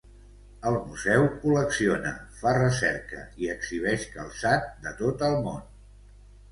El museu col·lecciona, fa recerca i exhibeix calçat de tot el món.